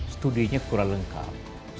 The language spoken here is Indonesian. studinya kurang lengkap